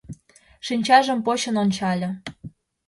Шинчажым почын ончале.